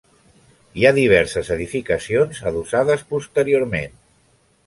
Hi ha diverses edificacions adossades posteriorment.